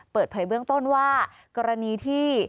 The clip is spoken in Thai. เปิดเผยเบื้องต้นว่ากรณีที่